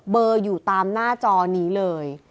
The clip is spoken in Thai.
อยู่ตามหน้าจอนี้เลย